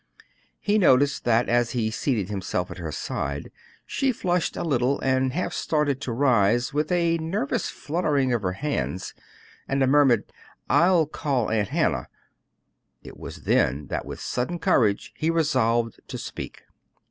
He noticed that as he seated himself at her side she flushed a little and half started to rise, with a nervous fluttering of her hands, and a murmured "I'll call Aunt Hannah." It was then that with sudden courage, he resolved to speak.